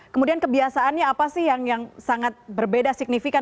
kemudian kebiasaannya apa sih yang sangat berbeda signifikan